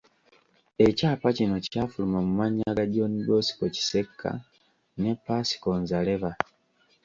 Ekyapa kino kyafuluma mu mannya ga John Bosco Kisekka ne Pascal Nzareba.